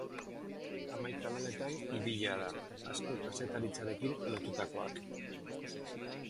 Hamaika lanetan ibilia da, asko kazetaritzarekin lotutakoak.